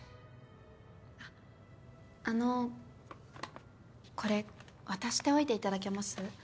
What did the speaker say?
あっあのこれ渡しておいていただけます？